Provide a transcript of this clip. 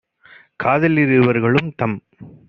காத லிருவர்களும் - தம்